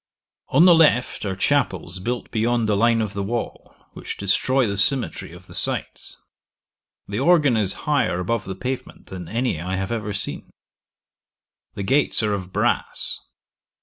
On the left are chapels built beyond the line of the wall, which destroy the symmetry of the sides. The organ is higher above the pavement than any I have ever seen. The gates are of brass.